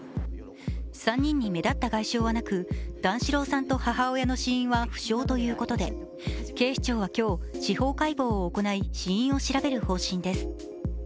３人に目立った外傷はなく段四郎さんと母親の死因は不詳ということで警視庁は今日司法解剖を行い死因を調べる方針です。